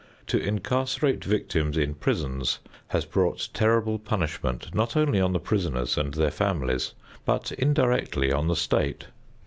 To incarcerate victims in prisons has brought terrible punishment not only on the prisoners and their families, but indirectly on the state.